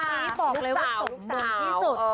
คนนี้บอกเลยว่าสุขมากที่สุด